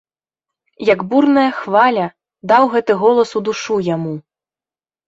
Як бурная хваля, даў гэты голас у душу яму.